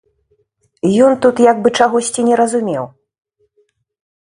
Ён тут як бы чагосьці не разумеў.